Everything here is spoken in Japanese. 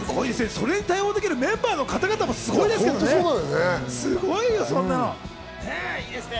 それに対応できるメンバーの方々もすごいですよね。